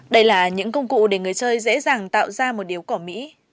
đây là những công cụ để người chơi dễ dàng tạo ra một điếu cỏ mỹ